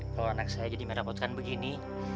kalau anak saya jadi merabotkan begini